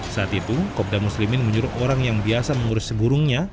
saat itu kopda muslimin menyuruh orang yang biasa mengurus seburungnya